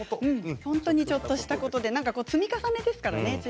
本当にちょっとしたことで積み重ねですからね。